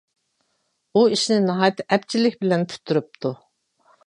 ئۇ ئىشنى ناھايىتى ئەپچىللىك بىلەن پۈتتۈرۈپتۇ.